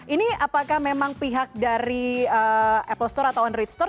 ini apakah memang pihak dari apple store atau on rate store